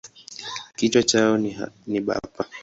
Kichwa chao ni bapa.